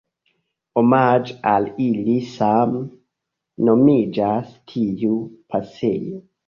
Omaĝe al ili same nomiĝas tiu pasejo.